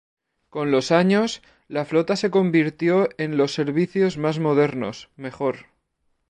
Con los años, la flota se convirtió en los servicios más modernos, mejor.